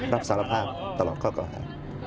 รับสารภาพตลอดข้อเก่าหา